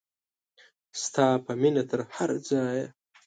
ستا په مینه تر هر ځایه.